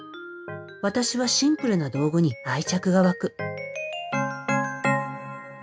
私はシンプルな道具に愛着が湧く。